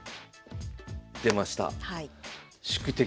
出ました。